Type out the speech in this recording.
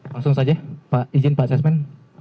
langsung saja pak izin pak sesmen